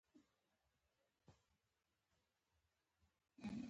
په تشریحي برخه کې د سرک تاریخي معلومات وړاندې شوي دي